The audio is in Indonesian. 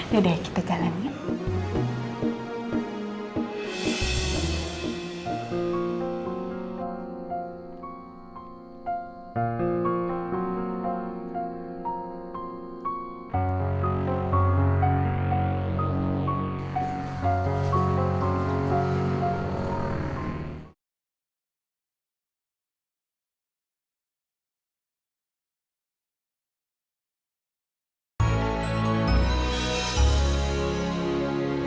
yaudah kita galen ya